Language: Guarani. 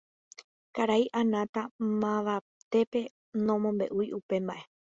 Karai Anata mavavetépe nomombe'úi upe mba'e.